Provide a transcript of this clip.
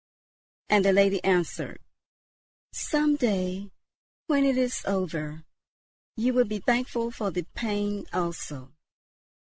And the lady answered, "Some day, when it is over, you will be thankful for the pain also."